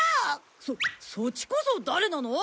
そそっちこそ誰なの！？